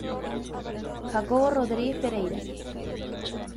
Jacobo Rodriguez Pereira".